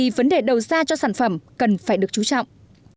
điều này đi vào thực tiễn để đầu ra cho sản phẩm cần phải được chú trọng